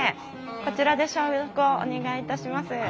こちらで消毒をお願いいたします。